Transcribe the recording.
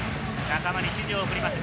仲間に指示を送ります。